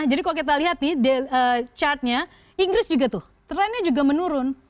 jadi kalau kita lihat di chart nya inggris juga tuh trennya juga menurun